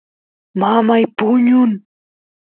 mamay puñun